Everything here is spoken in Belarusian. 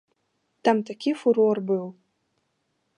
Там такі фурор быў!